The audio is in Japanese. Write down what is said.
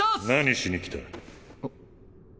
何しに来た？